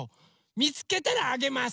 みつけたらあげます！